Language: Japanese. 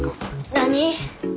何？